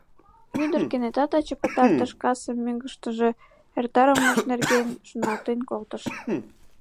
Ӱдыр кенета таче пытартыш касым мӧҥгыштыжӧ эртарымыж нерген шоналтен колтыш.